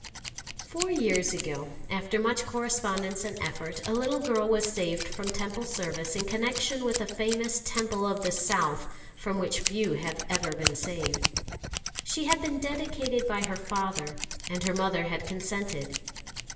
Four years ago, after much correspondence and effort, a little girl was saved from Temple service in connection with a famous Temple of the South from which few have ever been saved. She had been dedicated by her father, and her mother had consented.